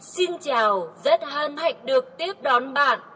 xin chào rất hân hạnh được tiếp đón bạn